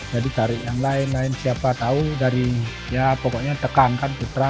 jadi tarik yang lain lain siapa tahu dari ya pokoknya tekankan putra